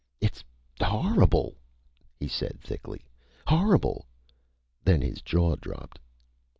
"It's horrible!" he said thickly. "Horrible!" Then his jaw dropped.